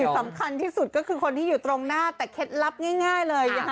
สำคัญที่สุดก็คือคนที่อยู่ตรงหน้าแต่เคล็ดลับง่ายเลย